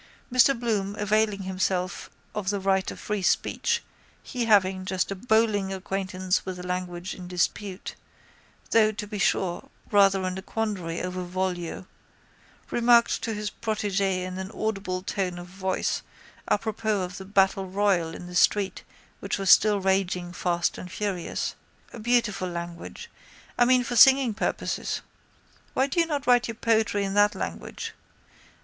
Mr Bloom, availing himself of the right of free speech, he having just a bowing acquaintance with the language in dispute, though, to be sure, rather in a quandary over voglio, remarked to his protégé in an audible tone of voice à propos of the battle royal in the street which was still raging fast and furious: —A beautiful language. I mean for singing purposes. Why do you not write your poetry in that language?